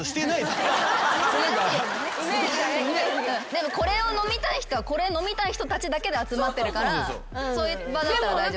でもこれを飲みたい人はこれ飲みたい人たちだけで集まってるからそういう場だったら大丈夫。